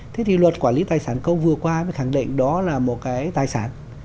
thế thì luật quản lý tài sản công vừa qua mới khẳng định đó là một cái tài sản